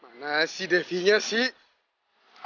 mana si devi nya sih